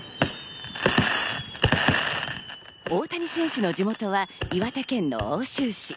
大谷選手の地元は岩手県の奥州市。